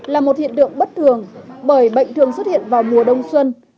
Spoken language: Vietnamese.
là một hiện tượng bất thường bởi bệnh thường xuất hiện vào mùa đông xuân